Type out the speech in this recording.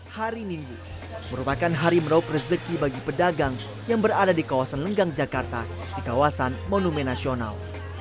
hari minggu merupakan hari meraup rezeki bagi pedagang yang berada di kawasan lenggang jakarta di kawasan monumen nasional